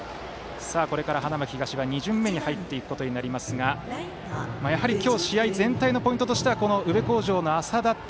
これから花巻東は２巡目に入っていきますが今日試合全体のポイントとしては宇部鴻城の淺田対